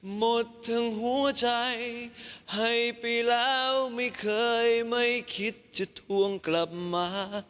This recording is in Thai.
หมดทั้งหัวใจให้ไปแล้วไม่เคยไม่คิดจะทวงกลับมา